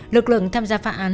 lực lượng tham gia phạm án